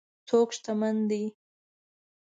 څوک شتمن دی.